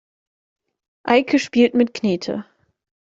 Eike spielt mit Knete.